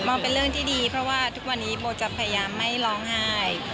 องเป็นเรื่องที่ดีเพราะว่าทุกวันนี้โบจะพยายามไม่ร้องไห้